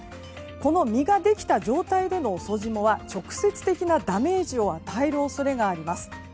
この実ができた状態での遅霜は直接的なダメージを与える恐れがあります。